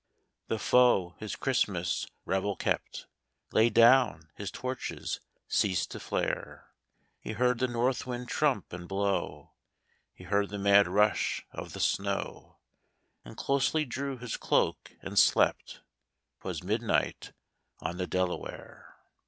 The foe, his Christmas revel kept, Lay down ; his torches ceased to flare — He heard the north wind trump and blow. He heard the mad rush of the snow, And closely drew his cloak, and slept — 'Twas midnight on the Delaware. TVVAS CHRISTMAS ON THE DELAWARE.